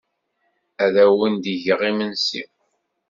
Ad awen-d-geɣ imensi.